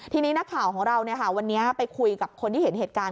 ทีนี้นักข่าวของเราวันนี้ไปคุยกับคนที่เห็นเหตุการณ์